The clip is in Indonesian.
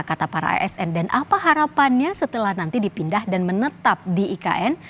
kata para asn dan apa harapannya setelah nanti dipindah dan menetap di ikn